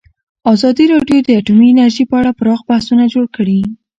ازادي راډیو د اټومي انرژي په اړه پراخ بحثونه جوړ کړي.